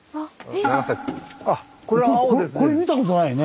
これ見たことないね。